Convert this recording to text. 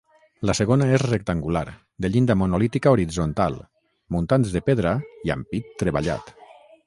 La segona és rectangular, de llinda monolítica horitzontal, muntants de pedra i ampit treballat.